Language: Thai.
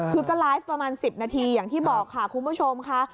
คือก็ไลฟ์ประมาณ๑๐นาทีอย่างที่บอกค่ะคุณผู้ชมค่ะ